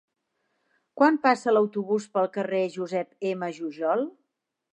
Quan passa l'autobús pel carrer Josep M. Jujol?